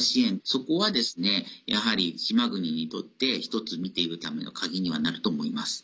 そこは、やはり島国にとって１つ見ていくための鍵にはなると思います。